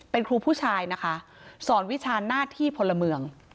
เป็นครูผู้ชายนะคะสอนวิชาหน้าที่พลเมือง